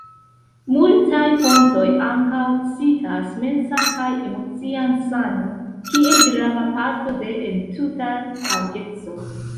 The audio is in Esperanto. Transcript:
Multaj fontoj ankaŭ citas mensan kaj emocian sano kiel grava parto de entuta taŭgeco.